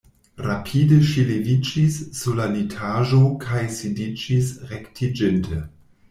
Rapide ŝi leviĝis sur la litaĵo kaj sidiĝis rektiĝinte.